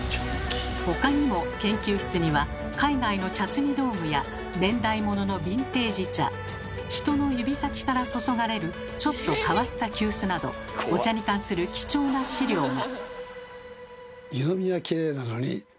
他にも研究室には海外の茶摘み道具や年代物のビンテージ茶人の指先から注がれるちょっと変わった急須などお茶に関する貴重な資料が。